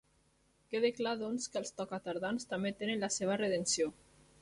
Queda clar, doncs, que els tocatardans també tenen la seva redempció.